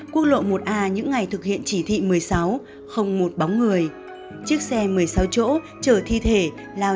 quốc lộ một a những ngày thực hiện chỉ thị một mươi sáu không một bóng người chiếc xe một mươi sáu chỗ chở thi thể là